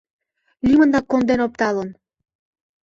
— Лӱмынак конден опталын!